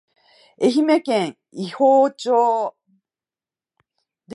愛媛県伊方町